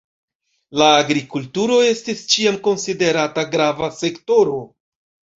La agrikulturo estis ĉiam konsiderata grava sektoro.